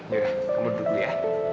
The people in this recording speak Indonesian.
yaudah kamu duduk dulu ya